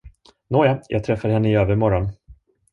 Nåja, jag träffar henne i övermorgon!